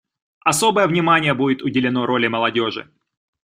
Особое внимание будет уделено роли молодежи.